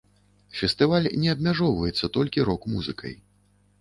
Фестываль не абмяжоўваецца толькі рок-музыкай.